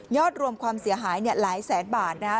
ยอดรวมความเสียหายเนี่ยหลายแสนบาทนะฮะ